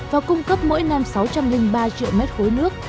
và cung cấp mỗi năm sáu trăm linh ba triệu m ba nước